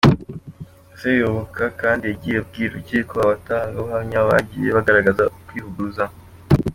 Seyoboka kandi yagiye abwira urukiko abatangabuhamya bagiye bagaragaza ukwivuguruza.